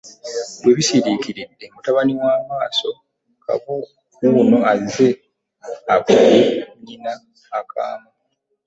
Bwe bisiriikiridde mutabani wa maaso, Kabu wuuno azze akubye nnyina akaama.